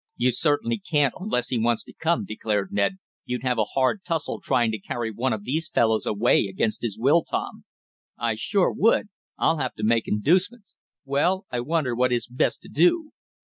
"You certainly can't unless he wants to come," declared Ned. "You'd have a hard tussle trying to carry one of these fellows away against his will, Tom." "I sure would. I'll have to make inducements. Well, I wonder what is best to do?"